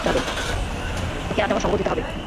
তোকে আজ আমার সঙ্গ দিতে হবে।